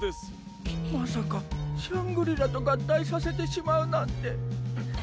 まさかシャングリラと合体させてしまうなんて！